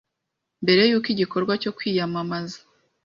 mbere y uko igikorwa cyo kwiyamamaza